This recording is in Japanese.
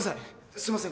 すいません